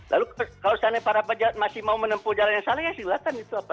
lalu kalau para pejabat masih mau menempuh jalan yang salah silakan